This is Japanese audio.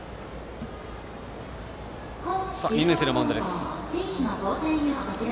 ２年生のマウンドです。